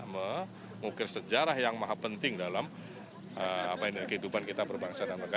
mengukir sejarah yang maha penting dalam kehidupan kita berbangsa dan mereka